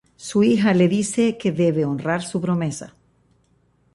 Su hija le dice que debe honrar su promesa.